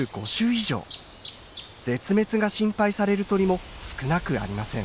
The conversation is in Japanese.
絶滅が心配される鳥も少なくありません。